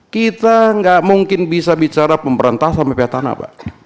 kita nggak mungkin bisa bicara pemberantasan rupiah tanah pak